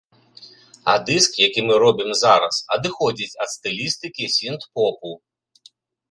А дыск, які мы робім зараз, адыходзіць ад стылістыкі сінт-попу.